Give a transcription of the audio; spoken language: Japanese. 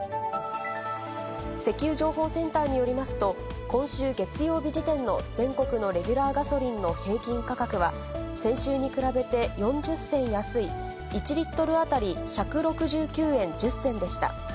石油情報センターによりますと、今週月曜日時点の全国のレギュラーガソリンの平均価格は、先週に比べて４０銭安い、１リットル当たり１６９円１０銭でした。